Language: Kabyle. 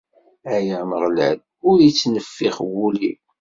Ay Ameɣlal, ur ittneffix wul-iw.